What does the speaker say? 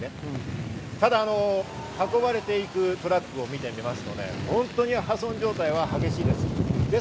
ただ運ばれていくトラックを見てみると破損状態は激しいです。